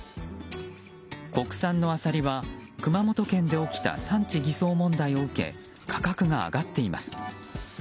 国産のアサリは、熊本県で起きた産地偽装問題を受け価格が上がっています。